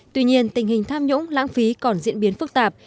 tuy nhiên tình hình tham nhũng lãng phí còn diễn biến phức tạp